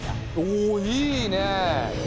おいいねえ！